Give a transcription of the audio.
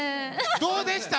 どうでした？